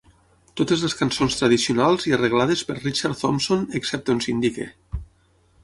Totes les cançons tradicionals i arreglades per Richard Thompson excepte on s'indiqui.